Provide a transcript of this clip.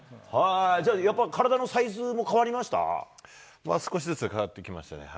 じゃあやっぱり体のサイズも変わ少しずつ変わってきましたね。